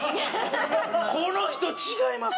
この人違います？